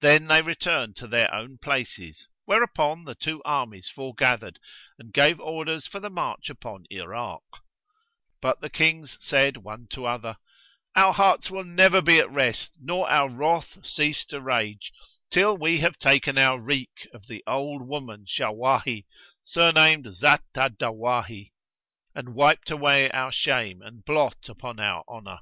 Then they returned to their own places whereupon, the two armies foregathered and gave orders for the march upon Irak; but the Kings said one to other, "Our hearts will never be at rest nor our wrath cease to rage till we have taken our wreak of the old woman Shawahi, surnamed Zat al Dawahi, and wiped away our shame and blot upon our honour."